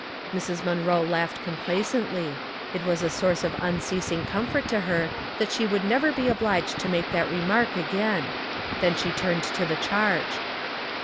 Mrs. Munroe laughed complacently. It was a source of unceasing comfort to her that she would never be obliged to make that remark again. Then she turned to the charge.